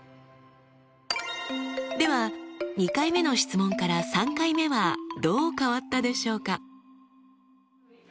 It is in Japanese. では２回目の質問から３回目はどう変わったでしょうか？